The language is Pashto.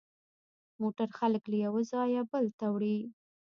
موټر خلک له یوه ځایه بل ته وړي.